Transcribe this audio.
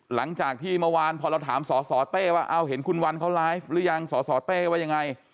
หลังจากที่เมื่อวานพอเราถามสสเต้ว่าเอาเห็นคุณวันเขาไลฟ์หรือยังสสเต้ว่ายังไง